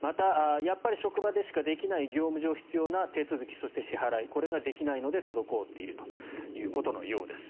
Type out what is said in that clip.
また、やっぱり職場でしかできない業務上必要な手続きそして支払いができないので滞っているということのようです。